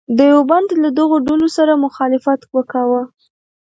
دیوبند له دغو ډلو سره مخالفت وکاوه.